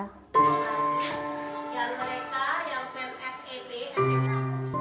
yang mereka yang fab